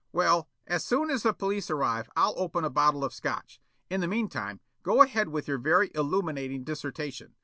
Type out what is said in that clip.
"Well, as soon as the police arrive I'll open a bottle of Scotch. In the meantime go ahead with your very illuminating dissertation.